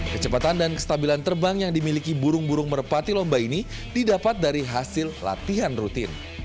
kecepatan dan kestabilan terbang yang dimiliki burung burung merpati lomba ini didapat dari hasil latihan rutin